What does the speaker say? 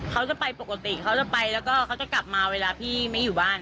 เขาจะไปปกติเขาจะไปแล้วก็เขาจะกลับมาเวลาพี่ไม่อยู่บ้าน